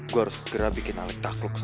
gue harus segera bikin alex takluk sama gue